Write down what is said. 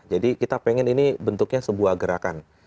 jadi kita pengen ini bentuknya sebuah gerakan